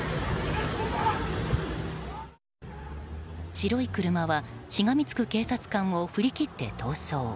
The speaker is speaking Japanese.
白い車はしがみつく警察官を振り切って逃走。